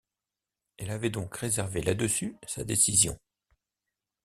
Elle avait donc réservé là-dessus sa décision.